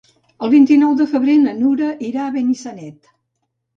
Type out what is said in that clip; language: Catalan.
El vint-i-nou de febrer na Nura irà a Benissanet.